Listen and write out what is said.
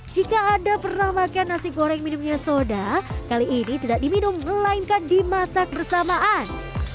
jika anda pernah makan nasi goreng minumnya soda kali ini tidak diminum melainkan dimasak bersamaan